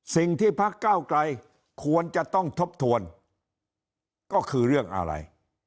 สิ่งที่พักเก้าไกลควรจะต้องทบทวนก็คือเรื่องอะไร